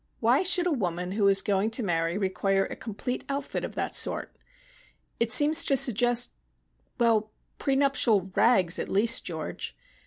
Why should a woman who is going to marry require a complete outfit of that sort? It seems to suggest well, pre nuptial rags at least, George.